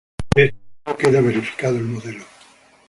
De este modo queda verificado el modelo.